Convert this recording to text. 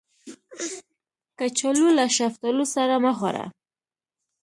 کچالو له شفتالو سره مه خوړه